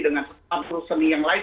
dengan angkru seni yang lain